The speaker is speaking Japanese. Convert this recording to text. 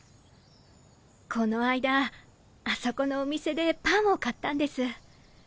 この間あそこのお店でパンを買ったんです。